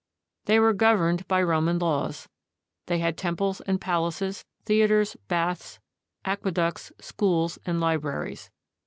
They were governed by Roman laws, they had temples and palaces, theaters, baths, aqueducts, schools, and libraries.